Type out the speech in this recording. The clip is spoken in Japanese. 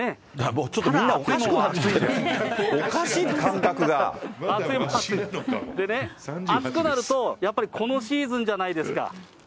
もうちょっとみんなおかしくなってる、でね、暑くなると、やっぱりこのシーズンじゃないですか。